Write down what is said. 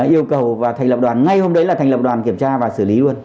yêu cầu và thành lập đoàn ngay hôm đấy là thành lập đoàn kiểm tra và xử lý luôn